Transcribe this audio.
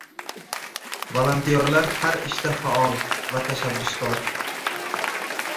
Volontyorlar har ishda faol va tashabbuskor